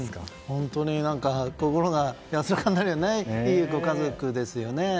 本当に心が安らかになるいいご家族ですよね。